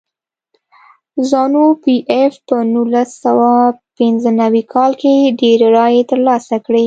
زانو پي ایف په نولس سوه پنځه نوي کال کې ډېرې رایې ترلاسه کړې.